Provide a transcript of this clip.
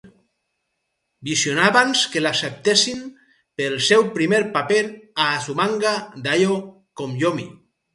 Visionabans que l'acceptessin pel seu primer paper a Azumanga Daioh com Yomi.